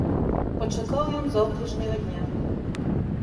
Пачакаў ён заўтрашняга дня.